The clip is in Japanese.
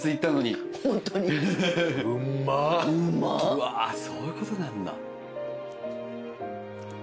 うわそういうことなんだ。